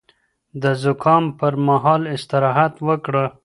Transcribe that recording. د زکام پر مهال استراحت وکړه